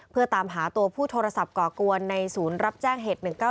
เพื่อตามหาตัวผู้โทรศัพท์ก่อกวนในศูนย์รับแจ้งเหตุ๑๙๙